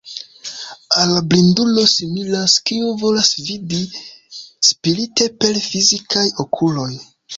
Al blindulo similas kiu volas vidi spirite per fizikaj okuloj.